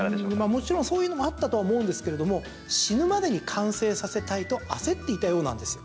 もちろん、そういうのもあったとは思うんですけれども死ぬまでに完成させたいと焦っていたようなんですよ。